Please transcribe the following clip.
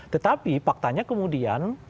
tetapi faktanya kemudian